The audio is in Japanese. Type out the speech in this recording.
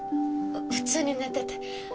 普通に寝てて。